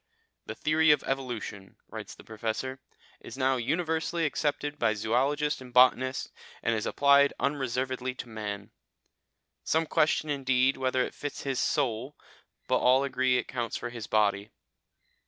"The theory of evolution," writes the Professor, "is now universally accepted by zoologists and botanists, and it is applied unreservedly to man. Some question, indeed, whether it fits his soul, but all agree it accounts for his body.